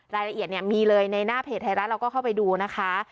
รายละเอียดเนี่ยมีเลยในหน้าเพจไทยรัฐเราก็เข้าไปดูนะคะ